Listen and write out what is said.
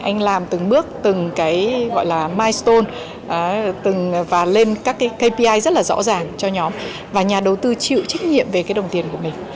anh làm từng bước từng cái gọi là milestone và lên các cái kpi rất là rõ ràng cho nhóm và nhà đầu tư chịu trách nhiệm về cái đồng tiền của mình